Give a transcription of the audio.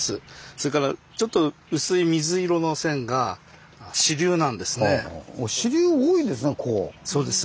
それからちょっと薄い水色の線が支流なんですね。